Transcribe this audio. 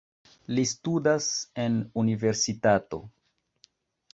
Li studas en universitato.